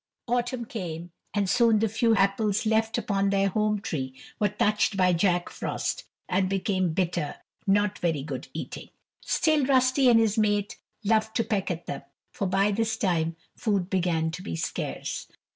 Autumn came, and soon the few apples left upon their home tree were touched by Jack Frost and became bitter, not very good eating; still Rusty and his mate loved to peck at them, for by this time food began to be scarce.